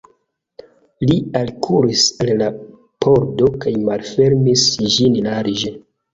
Li alkuris al la pordo kaj malfermis ĝin larĝe.